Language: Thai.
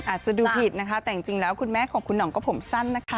อาจจะดูผิดนะคะแต่จริงแล้วคุณแม่ของคุณห่องก็ผมสั้นนะคะ